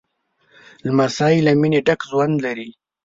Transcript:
لمسی له مینې ډک ژوند لري.